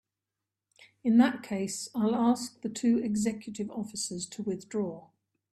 In that case I'll ask the two executive officers to withdraw.